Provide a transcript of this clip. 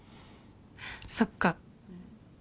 そっか。